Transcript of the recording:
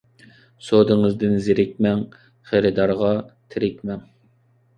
سودىڭىزدىن زېرىكمەڭ، خېرىدارغا تېرىكمەڭ.